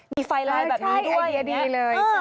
มีไฟไลน์แบบนี้ด้วย